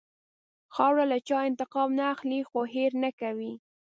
خاوره له چا انتقام نه اخلي، خو هېر نه کوي.